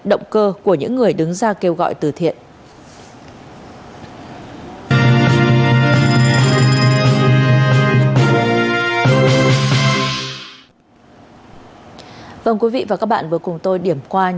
động cơ của những người đứng ra kêu gọi từ thiện